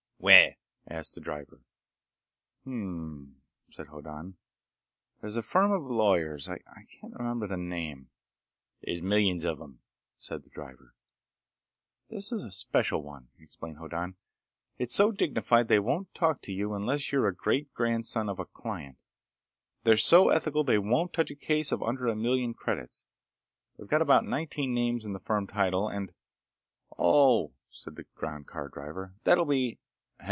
"Where?" asked the driver. "Hm m m," said Hoddan. "There's a firm of lawyers.... I can't remember the name—" "There's millions of 'em," said the driver. "This is a special one," explained Hoddan. "It's so dignified they won't talk to you unless you're a great grandson of a client. They're so ethical they won't touch a case of under a million credits. They've got about nineteen names in the firm title and—" "Oh!" said the ground car driver. "That'll be— Hell!